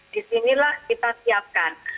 di sinilah kita siapkan